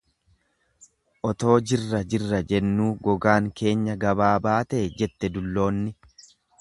Otoo jirra jirra jennuu gogaan keenya gabaa baatee jette dulloonni.